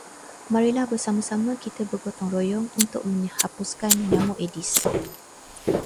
Marilah bersama-sama kita bergotong royong untuk hapuskan nyamuk aedes.